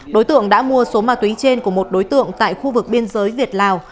đối tượng đã mua số ma túy trên của một đối tượng tại khu vực biên giới việt lào